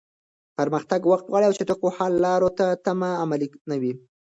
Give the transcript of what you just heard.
پرمختګ وخت غواړي او د چټکو حل لارو تمه تل عملي نه وي.